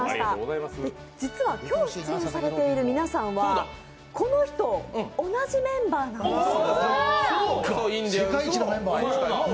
実は今日、出演されている皆さんはこの日と同じメンバーなんです。